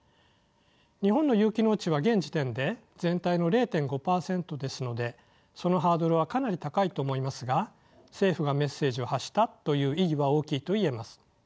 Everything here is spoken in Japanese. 日本の有機農地は現時点で全体の０．５％ですのでそのハードルはかなり高いと思いますが政府がメッセージを発したという意義は大きいと言えます。